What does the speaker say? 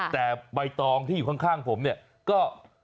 แต่ใบตองที่อยู่ข้างผมเนี่ยก็